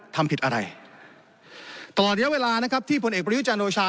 ทำผิดอะไรตลอดเดียวเวลานะครับที่ผลเอกประยุทธ์จานโรชา